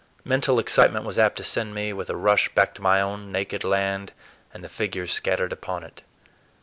Mental excitement was apt to send me with a rush back to my own naked land and the figures scattered upon it.